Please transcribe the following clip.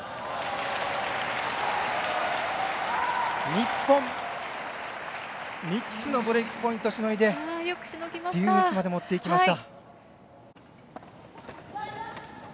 日本、３つのブレークポイントしのいでデュースまで持っていきました。